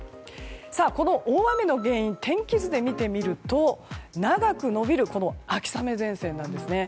この大雨の原因天気図で見てみると長く延びる秋雨前線なんですね。